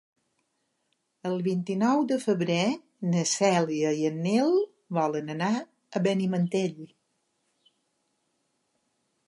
El vint-i-nou de febrer na Cèlia i en Nil volen anar a Benimantell.